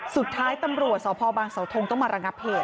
สุดท้ายตำรวจสพบางสสธงก็มารังับเหตุ